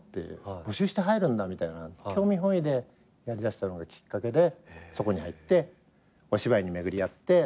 募集して入るんだみたいな興味本位でやりだしたのがきっかけでそこに入ってお芝居に巡り合って。